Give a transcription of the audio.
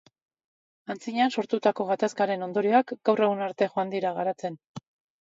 Antzinean sortutako gatazkaren ondorioak gaur egun arte joan dira garatzen.